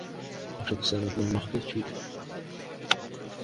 Ashok sir, আপনার মাকে চুদি!